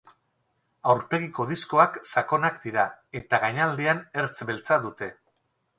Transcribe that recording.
Aurpegiko diskoak sakonak dira, eta gainaldean ertz beltza dute.